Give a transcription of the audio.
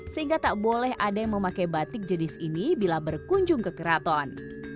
sehingga tak boleh ada yang memakai batik jenis ini bila berkunjung ke keraton